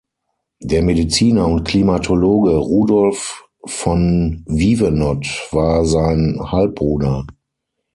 Der Mediziner und Klimatologe Rudolph von Vivenot war sein Halbbruder.